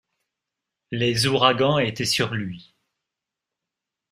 Les ouragans étaient sur lui.